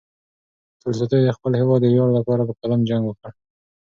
تولستوی د خپل هېواد د ویاړ لپاره په قلم جنګ وکړ.